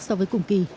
so với cùng kỳ